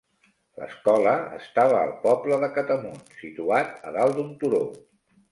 L'escola estava al poble de Catamount, situat a dalt d'un turó.